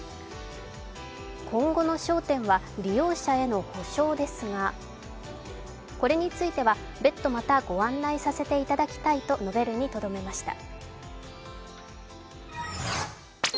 今後の焦点は利用者への補償ですが、これについては、別途また御案内させていただきたいと述べるにとどめました。